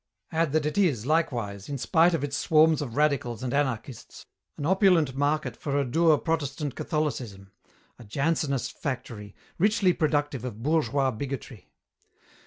Add that it is likewise, in spite of its swarms of radicals and anarchists, an opulent market for a dour Protestant Catholicism; a Jansenist factory, richly productive of bourgeois bigotry.